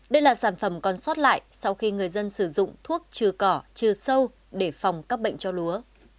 đây là sản phẩm còn sót lại sau khi người dân sử dụng thuốc trừ cỏ chứa sâu để phòng các bệnh cho lúa